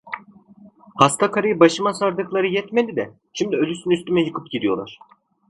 Hasta karıyı başıma sardıkları yetmedi de, şimdi ölüsünü üstüme yıkıp gidiyorlar.